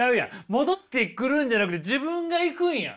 戻ってくるんじゃなくて自分が行くんやん。